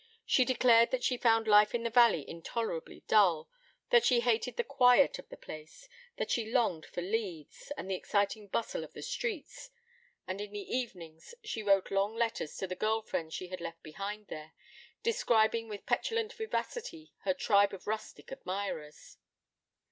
She declared that she found life in the valley intolerably dull, that she hated the quiet of the place, that she longed for Leeds, and the exciting bustle of the streets; and in the evenings she wrote long letters to the girl friends she had left behind there, describing with petulant vivacity her tribe of rustic admirers.